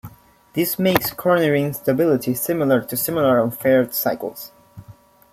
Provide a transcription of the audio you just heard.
This makes cornering stability similar to similar unfaired cycles.